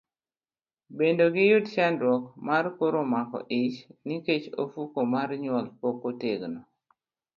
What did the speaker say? Bende giyud chandruok mar koro mako ich nikech ofuko mar nyuol pok otegno.